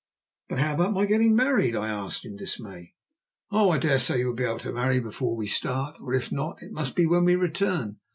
"But how about my getting married?" I asked in dismay. "Oh! I dare say you will be able to marry before we start. Or if not, it must be when we return.